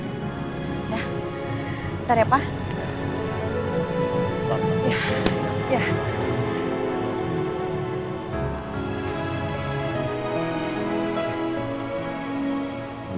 bentar ya pak